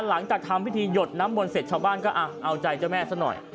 หลังจากทำพิธีหยดน้ำมนต์เสร็จชาวบ้านก็เอาใจเจ้าแม่ซะหน่อย